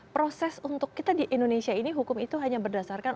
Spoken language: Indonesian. proses untuk kita di indonesia ini hukum itu hanya berdasarkan